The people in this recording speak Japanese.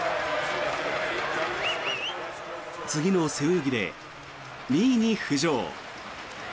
次の背泳ぎで２位に浮上。